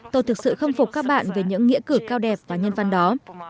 tôi thực sự khâm phục các bạn về những nghĩa cử cao đẹp và nhân văn đó